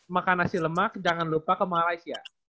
makan nasi lemak jangan lupa ke malaysia